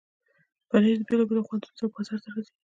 پنېر د بیلابیلو خوندونو سره بازار ته راځي.